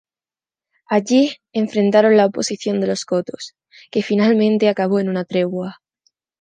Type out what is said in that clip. Allí enfrentaron la oposición de los cotos, que finalmente acabó en una tregua.